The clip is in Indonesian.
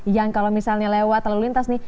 yang kalau misalnya lewat lalu lintas nih